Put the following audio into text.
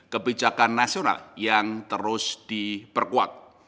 kebijakan nasional yang terus diperkuat